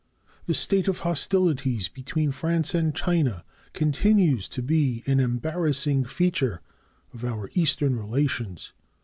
The state of hostilities between France and China continues to be an embarrassing feature of our Eastern relations.